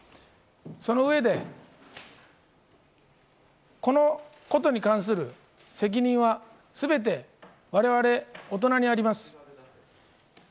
その上で、このことに関する責任は、全て我々大人にあります。